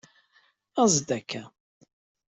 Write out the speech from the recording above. Aẓ-d akka!